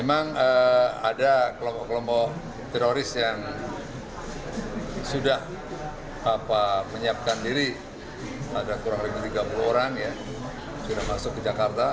memang ada kelompok kelompok teroris yang sudah menyiapkan diri ada kurang lebih tiga puluh orang sudah masuk ke jakarta